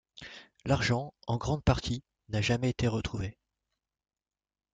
L'argent, en grande partie, n'a jamais été retrouvé.